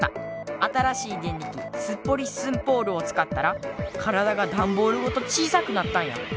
新しいデンリキ「スッポリスンポール」を使ったらカラダが段ボールごと小さくなったんや！